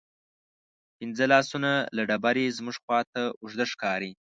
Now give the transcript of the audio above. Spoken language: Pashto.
بېځانه لاسونه له ډبرې زموږ خواته اوږده ښکاري.